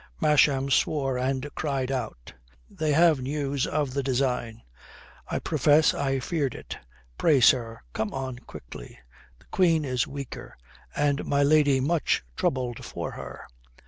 Masham swore and cried out, "They have news of the design! I profess I feared it. Pray, sir, come on quickly. The Queen is weaker, and my lady much troubled for her.